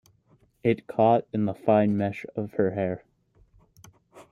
It caught in the fine mesh of her hair.